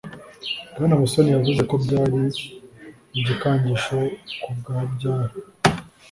bwana musoni yavuze ko byari igikangisho kubwa habyara